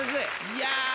いや。